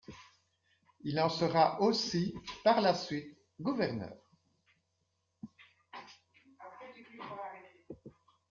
Il en sera aussi, par la suite, gouverneur.